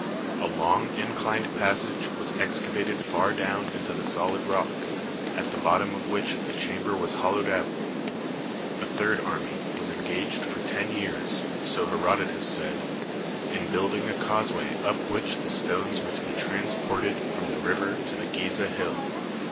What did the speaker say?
A long inclined passage was excavated far down into the solid rock, at the bottom of which a chamber was hollowed out. A third army was engaged for ten years, so Herodotus said, in building a causeway up which the stones were to be transported from the river to the Gizeh hill.